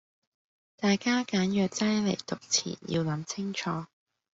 大家揀藥劑黎讀前要諗清楚